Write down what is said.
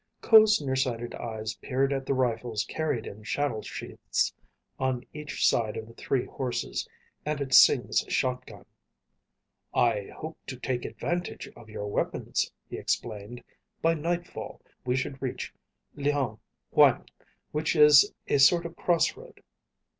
Ko's nearsighted eyes peered at the rifles carried in saddle sheaths on each of the three horses, and at Sing's shotgun. "I hope to take advantage of your weapons," he explained. "By nightfall we should reach Llhan Huang, which is a sort of crossroad.